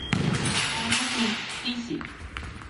大分県杵築市